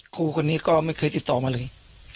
ครูคนนี้ก็ไม่เคยติดต่อมาเลย